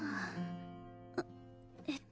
あっえっと。